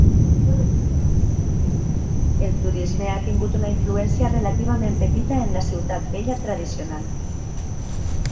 El turisme ha tingut una influència relativament petita en la ciutat vella tradicional.